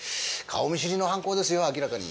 顔見知りの犯行ですよ明らかに。